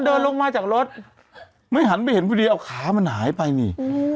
เดินลงมาจากรถไม่หันไปเห็นพอดีเอาขามันหายไปนี่